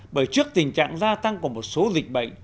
bởi trước tình trạng gia tăng của một số dịch bệnh